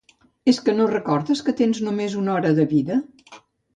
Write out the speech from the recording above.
És que no recordes que tens només una hora de vida?